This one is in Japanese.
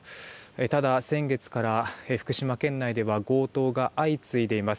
ただ、先月から福島県内では強盗が相次いでいます。